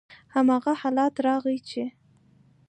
هماغه حالت راغلی چې: